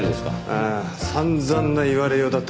ああ散々な言われようだった。